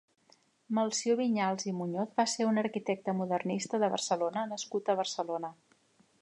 Melcior Vinyals i Muñoz va ser un arquitecte modernista de Barcelona nascut a Barcelona.